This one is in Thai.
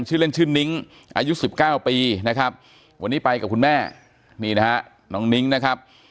ชื่อเล่นชื่อนิ้งอายุ๑๙ปีนะครับวันนี้ไปกับคุณแม่นี่นะฮะน้องนิ้งนะครับ